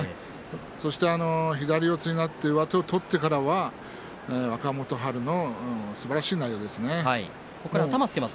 そして左四つになって上手を取ってからは若元春のすばらしい内容ですね。